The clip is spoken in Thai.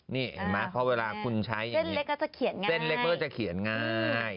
นี่เห็นมั้ยเพราะเวลาคุณใช้เส้นเล็กก็จะเขียนง่าย